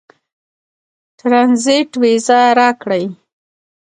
ټرنزیټ وېزه راکړي.